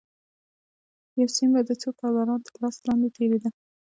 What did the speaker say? یو سیم به د څو کارګرانو تر لاس لاندې تېرېده